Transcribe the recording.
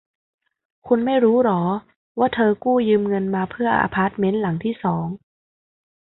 คุณไม่รู้หรอว่าเธอกู้ยืมเงินมาเพื่ออพาร์ตเม้นหลังที่สอง